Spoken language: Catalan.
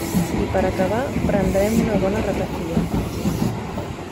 I per acabar prendrem una bona ratafia.